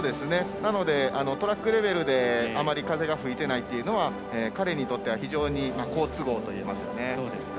なので、トラックレベルであまり風が吹いてないというのは彼にとっては非常に好都合といえますね。